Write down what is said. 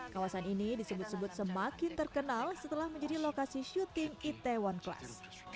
kawasan ini disebut sebut semakin terkenal setelah menjadi lokasi syuting itaewon class